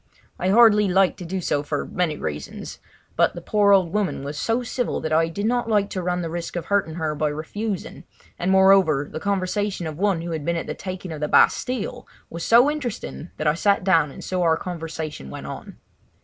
I hardly liked to do so for many reasons; but the poor old woman was so civil that I did not like to run the risk of hurting her by refusing, and moreover the conversation of one who had been at the taking of the Bastille was so interesting that I sat down and so our conversation went on.